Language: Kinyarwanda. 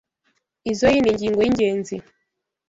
Izoi ni ingingo y'ingenzi.